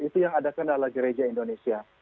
itu yang adakan adalah gereja indonesia